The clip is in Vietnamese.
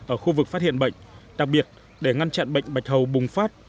ở khu vực phát hiện bệnh đặc biệt để ngăn chặn bệnh bạch hầu bùng phát